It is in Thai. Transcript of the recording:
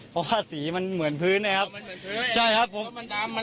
เพราะว่าสีมันเหมือนพื้นนะครับ